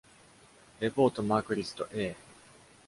レポートマークリスト ：A